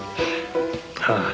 ああ。